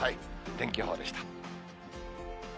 天気予報でした。